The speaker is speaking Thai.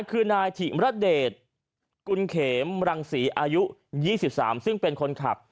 คือนายถิมระเดชกุลเขมรังศรีอายุ๒๓ซึ่งเป็นคนขับ